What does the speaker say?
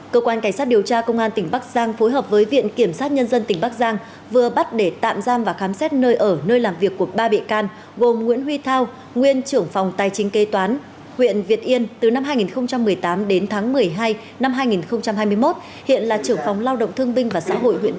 cơ quan cảnh sát điều tra công an tỉnh bắc giang phối hợp với viện kiểm sát nhân dân tỉnh bắc giang vừa bắt để tạm giam và khám xét nơi ở nơi làm việc của ba bị can gồm nguyễn huy thao nguyên trưởng phòng tài chính kê toán huyện việt yên từ năm hai nghìn một mươi tám đến tháng một mươi hai năm hai nghìn hai mươi một